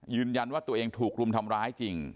ยืนยันว่าตัวเองถูกรุมทำร้ายจริง